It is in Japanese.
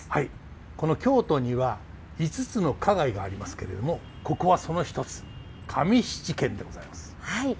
この京都には五つの花街がありますけれどもここはその一つ上七軒でございます。